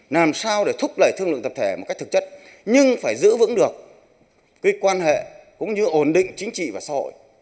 làm sao để thúc đẩy thương lượng tập thể một cách thực chất nhưng phải giữ vững được cái quan hệ cũng như ổn định chính trị và xã hội